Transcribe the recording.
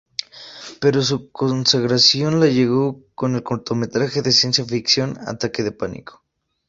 Pero su consagración le llegó con el cortometraje de ciencia ficción "¡Ataque de pánico!